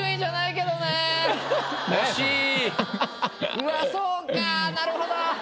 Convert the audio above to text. うわっそうかなるほど。